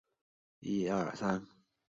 于帕尔拉克人口变化图示